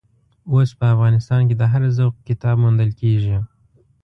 اوس په افغانستان کې د هر ذوق کتاب موندل کېږي.